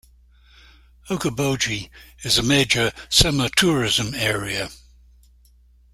Okoboji is a major summer tourism area.